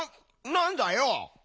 なんだよ？